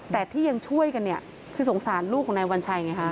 แต่ที่ยังช่วยกันเนี่ยคือสงสารลูกของนายวัญชัยไงฮะ